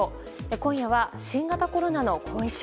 今夜は新型コロナの後遺症。